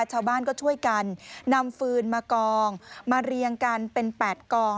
ชาวบ้านก็ช่วยกันนำฟืนมากองมาเรียงกันเป็น๘กอง